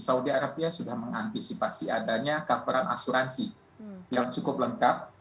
saudi arabia sudah mengantisipasi adanya coveran asuransi yang cukup lengkap